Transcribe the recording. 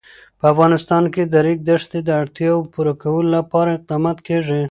په افغانستان کې د د ریګ دښتې د اړتیاوو پوره کولو لپاره اقدامات کېږي.